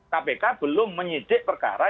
kpk belum menyidik perkara